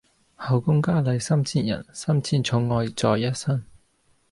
后宮佳麗三千人，三千寵愛在一身。